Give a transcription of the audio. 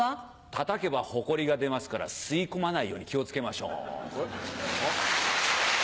たたけばホコリが出ますから吸い込まないように気を付けましょう。